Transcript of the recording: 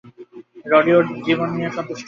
রডি ওর জীবন নিয়ে অনেক সন্তুষ্ট আছে।